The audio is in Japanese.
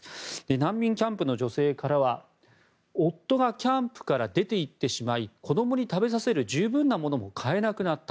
難民キャンプの女性からは夫がキャンプから出て行ってしまい子供に食べさせる十分なものも買えなくなった。